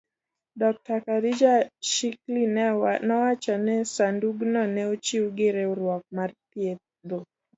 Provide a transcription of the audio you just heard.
Dr. Khadija Shikely nowacho ni sandugno ne ochiw gi riwruok mar thiedho